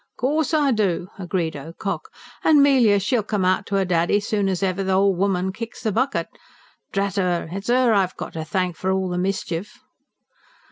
"Course I do!" agreed Ocock. "And Melia, she'll come out to 'er daddy soon as ever th'ol' woman kicks the bucket. Drat 'er! It's 'er I've got to thank for all the mischief."